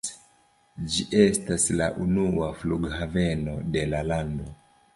Ĝi estas la unua flughaveno de la lando.